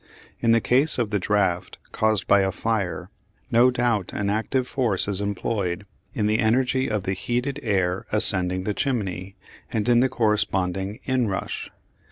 In the case of the draught caused by a fire no doubt an active force is employed in the energy of the heated air ascending the chimney, and in the corresponding inrush.